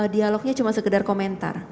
dialognya cuma sekedar komentar